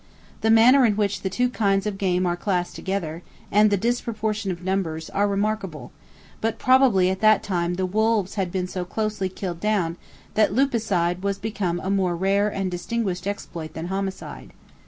The manner in which the two kinds of game are classed together, and the disproportion of numbers, are remarkable; but probably at that time the wolves had been so closely killed down, that lupicide was become a more rare and distinguished exploit than homicide.